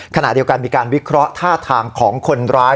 ขณะเดียวกันมีการวิเคราะห์ท่าทางของคนร้าย